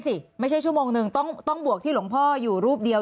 สิไม่ใช่ชั่วโมงหนึ่งต้องบวกที่หลวงพ่ออยู่รูปเดียว